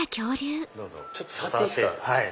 ちょっと触っていいですか？